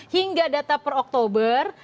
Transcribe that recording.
hingga data per oktober